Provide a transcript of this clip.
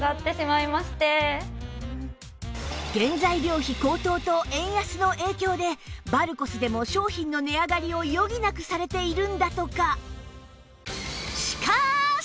原材料費高騰と円安の影響でバルコスでも商品の値上がりを余儀なくされているんだとか